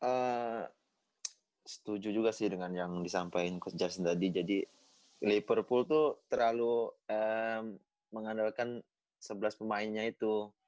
saya setuju juga sih dengan yang disampaikan coach justin tadi jadi liverpool tuh terlalu mengandalkan sebelas pemainnya itu